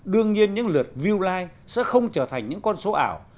đương nhiên những lượt view like sẽ không trở thành những con số ảo